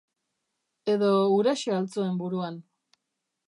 Edo huraxe al zuen buruan?